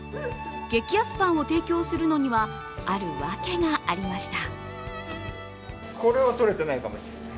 激安パンを提供するのにはある訳がありました。